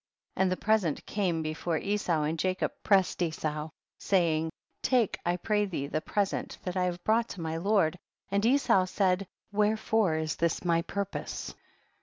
62. And the present came before Esau, and Jacob pressed Esau, say ing, take I pray thee the present that I have brought to my lord, and Esau said, wherefore is this my pur pose